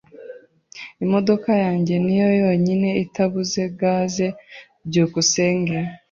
Imodoka yanjye niyo yonyine itabuze gaze. byukusenge